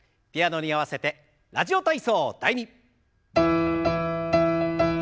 ピアノに合わせて「ラジオ体操第２」。